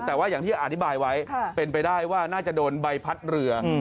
แต่ว่าอย่างที่อธิบายไว้เป็นไปได้ว่าน่าจะโดนใบพัดเรือ